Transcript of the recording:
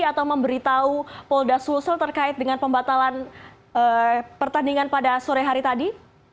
atau memberitahu polda sulsel terkait dengan pembatalan pertandingan pada sore hari tadi